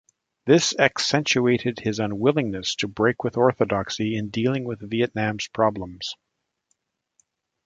This accentuated his unwillingness to break with orthodoxy in dealing with Vietnam's problems.